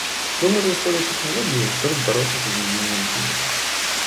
Мы можем использовать технологии, чтобы бороться с изменением климата.